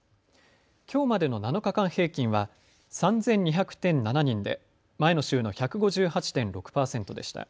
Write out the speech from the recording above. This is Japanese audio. きょうまでの７日間平均は３２００．７人で前の週の１５８．６％でした。